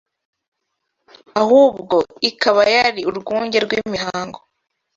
ahubwo ikaba yari urwunge rw’imihango